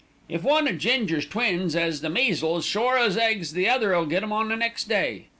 "If one o' Ginger's twins 'as the measles, sure as eggs the other'll get 'em the next day.